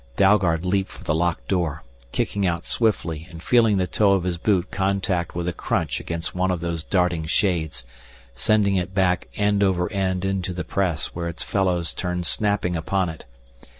Dalgard leaped for the lock door, kicking out swiftly and feeling the toe of his boot contact with a crunch against one of those darting shades, sending it back end over end into the press where its fellows turned snapping upon it.